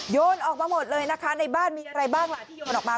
โยนออกมาหมดเลยนะคะในบ้านมีอะไรบ้างล่ะที่โยนออกมา